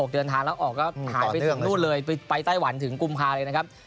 เดินทางแล้วออกก็หายไปถึงนู่นเลยไปไต้หวันถึงกุมภาเลยนะครับ